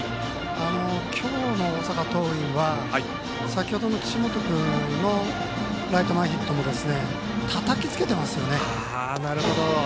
今日の大阪桐蔭は先ほどの岸本君のライト前ヒットもたたきつけてますよね。